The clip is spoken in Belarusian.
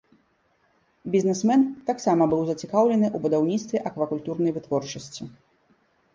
Бізнесмен таксама быў зацікаўлены ў будаўніцтве аквакультурнай вытворчасці.